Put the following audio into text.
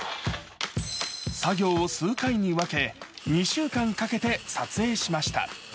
作業を数回に分け、２週間かけて撮影しました。